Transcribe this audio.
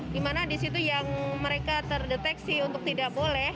di mana di situ yang mereka terdeteksi untuk tidak boleh